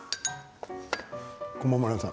駒村さん